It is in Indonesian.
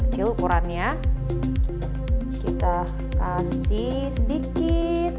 kita kasih sedikit